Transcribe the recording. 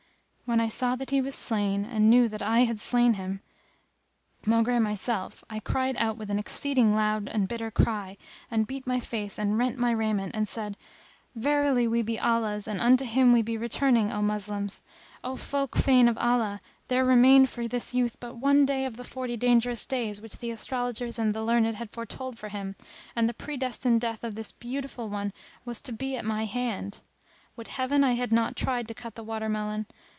When I saw that he was slain and knew that I had slain him, maugre myself, I cried out with an exceeding loud and bitter cry and beat my face and rent my raiment and said, "Verily we be Allah's and unto Him we be returning, O Moslems! O folk fain of Allah! there remained for this youth but one day of the forty dangerous days which the astrologers and the learned had foretold for him; and the predestined death of this beautiful one was to be at my hand. Would Heaven I had not tried to cut the watermelon.